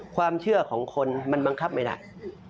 ความเชื่อของคนมันบังคับไม่ได้